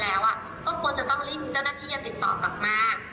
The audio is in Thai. อย่าพูดเหมือนงานรัฐอยู่ดีก็ได้ค่ะ